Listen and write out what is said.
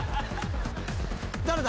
誰だ！？